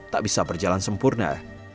tak bisa berjalan sempurna